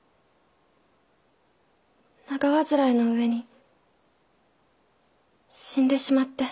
長患いの上に死んでしまって。